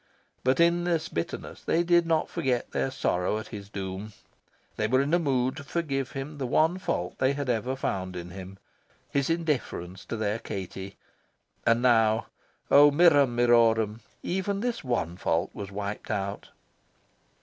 But in this bitterness they did not forget their sorrow at his doom. They were in a mood to forgive him the one fault they had ever found in him his indifference to their Katie. And now o mirum mirorum even this one fault was wiped out.